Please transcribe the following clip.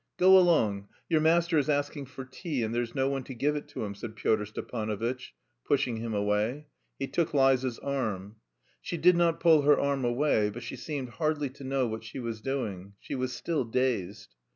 "Go along. Your master is asking for tea, and there's no one to give it to him," said Pyotr Stepanovitch, pushing him away. He took Liza's arm. She did not pull her arm away, but she seemed hardly to know what she was doing; she was still dazed.